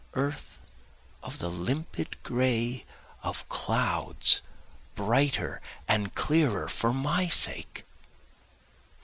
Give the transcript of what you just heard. Earth of the limpid gray of clouds brighter and clearer for my sake!